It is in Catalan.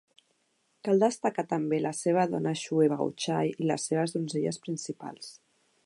Cal destacar també la seva dona Xue Baochai i les seves donzelles principals.